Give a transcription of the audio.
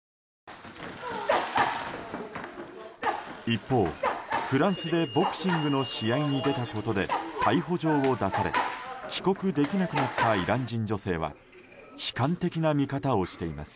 一方、フランスでボクシングの試合に出たことで逮捕状を出され帰国できなくなったイラン人女性は悲観的な見方をしています。